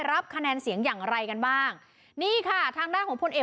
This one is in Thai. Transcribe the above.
รับคะแนนเสียงอย่างไรกันบ้างนี่ค่ะทางด้านของพลเอก